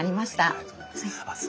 ありがとうございます。